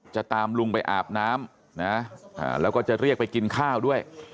ตามลุงไปอาบน้ำนะแล้วก็จะเรียกไปกินข้าวด้วย